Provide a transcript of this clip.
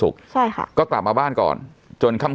ก็กลับมาบ้านก่อนจนค่ำ